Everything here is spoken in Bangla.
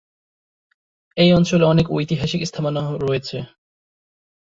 এই অঞ্চলে অনেক ঐতিহাসিক স্থাপনা রয়েছে।